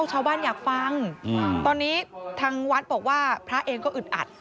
อยากฟังตอนนี้ทางวัดบอกว่าพระเองก็อึดอัด